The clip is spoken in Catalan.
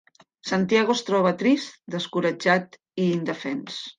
Santiago es troba trist, descoratjat i indefens.